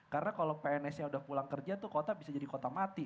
karena kalau pns nya sudah pulang kerja itu bisa jadi kota mati